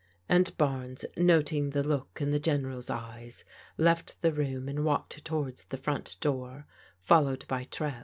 And Barnes, noting the look in the General's eyes, left the room and walked towards the front door, followed by Trev.